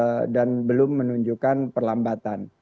mereka harus meningkat dan belum menunjukkan perlambatan